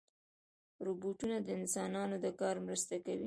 روبوټونه د انسانانو د کار مرسته کوي.